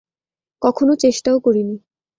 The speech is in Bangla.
কখনো চেষ্টাও করিনি।